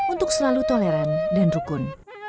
untuk selalu toleran dan rukun